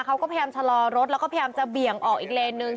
เขาก็พยายามชะลอรถแล้วก็พยายามจะเบี่ยงออกอีกเลนนึง